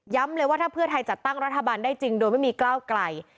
เลยว่าถ้าเพื่อไทยจัดตั้งรัฐบาลได้จริงโดยไม่มีก้าวไกล